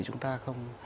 chúng ta không